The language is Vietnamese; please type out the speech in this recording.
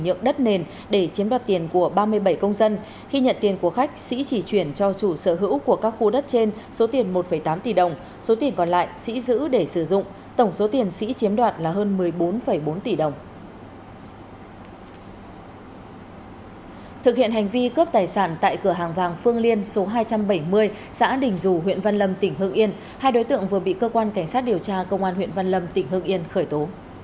hai đối tượng vừa bị cơ quan cảnh sát điều tra công an huyện văn lâm tỉnh hương yên khởi tố